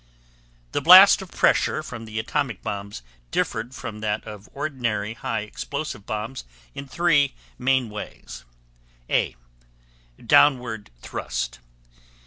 The blast of pressure from the atomic bombs differed from that of ordinary high explosive bombs in three main ways: A. Downward thrust.